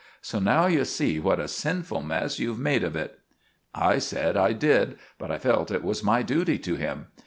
So now you see what a sinful mess you've made of it." I said I did, but I felt it was my duty to him.